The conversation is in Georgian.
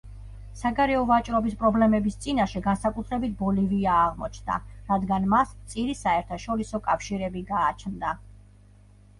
საგარეო ვაჭრობის პრობლემების წინაშე განსაკუთრებით ბოლივია აღმოჩნდა, რადგან მას მწირი საერთაშორისო კავშირები გააჩნდა.